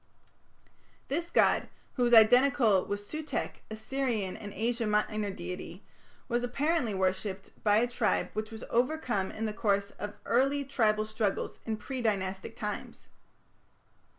This god, who is identical with Sutekh, a Syrian and Asia Minor deity, was apparently worshipped by a tribe which was overcome in the course of early tribal struggles in pre dynastic times.